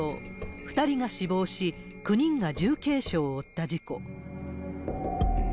２人が死亡し、９人が重軽傷を負った事故。